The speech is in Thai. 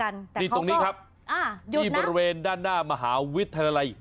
แต่เขาก็อ้าหยุดนะนี่ตรงนี้ครับที่บริเวณด้านหน้ามหาวิทยาลัย